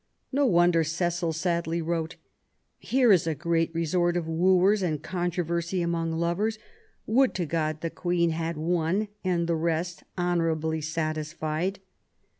No wonder Cecil sadly wrote :Here is a great resort of wooers and controversy among lovers. Would to God the Queen had one, and the rest honourably satisfied.